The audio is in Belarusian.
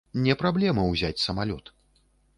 Не праблема ўзяць самалёт.